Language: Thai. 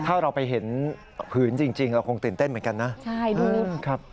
ถ้าเราไปเห็นผืนจริงเราคงตื่นเต้นเหมือนกันนะ